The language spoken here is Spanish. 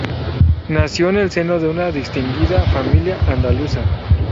Nació en el seno de una distinguida familia andaluza.